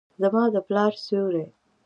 زما د پلار سیوري ،